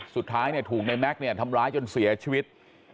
สุดท้ายถูกในแม็กซ์เนี่ยทำร้ายจนเสียชีวิต